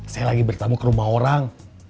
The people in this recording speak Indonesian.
saya lagi bertemu ke rumah orang